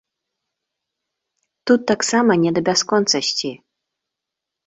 Тут таксама не да бясконцасці.